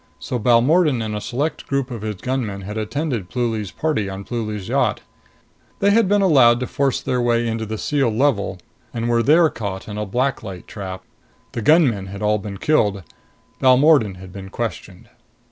So Balmordan and a select group of his gunmen had attended Pluly's party on Pluly's yacht. They had been allowed to force their way into the sealed level and were there caught in a black light trap. The gunmen had been killed. Balmordan had been questioned.